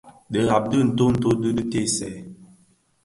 Dhibag di ntööto di dhi diteesèn.